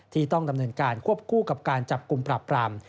ที่ต้องดำเนินการควบคู่กับการจับกลุ่มปราบปราม